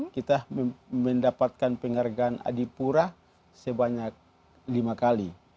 kita mendapatkan penghargaan adipura sebanyak lima kali